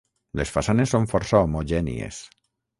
Les façanes són força homogènies.